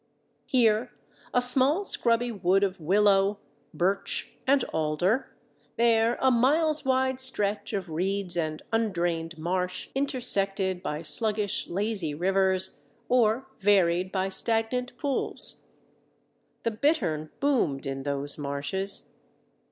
Here a small scrubby wood of willow, birch, and alder; there a miles wide stretch of reeds and undrained marsh intersected by sluggish, lazy rivers, or varied by stagnant pools. The bittern boomed in those marshes.